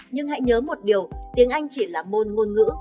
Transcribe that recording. nhưng hãy nhớ một điều tiếng anh chỉ là môn ngôn ngữ